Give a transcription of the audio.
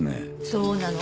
そうなの。